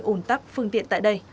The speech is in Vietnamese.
ủn tắp phương tiện tại đây